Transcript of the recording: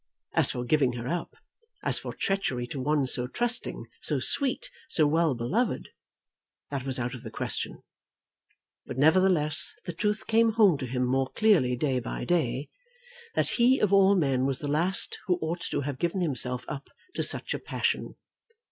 As for giving her up, as for treachery to one so trusting, so sweet, so well beloved, that was out of the question. But nevertheless the truth came home to him more clearly day by day, that he of all men was the last who ought to have given himself up to such a passion.